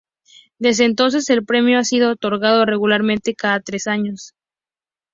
Desde entonces, el premio ha sido otorgado regularmente cada tres años.